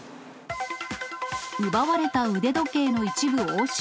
奪われた腕時計の一部押収。